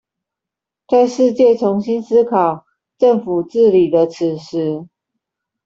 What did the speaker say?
在世界重新思考政府治理的此時